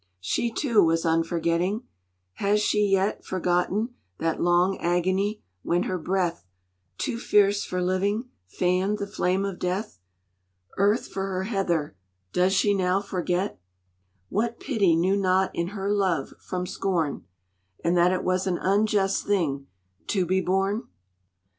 She too was unforgetting: has she yet Forgotten that long agony when her breath Too fierce for living fanned the flame of death? Earth for her heather, does she now forget What pity knew not in her love from scorn, And that it was an unjust thing to be born?